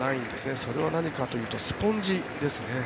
それは何かというとスポンジですね。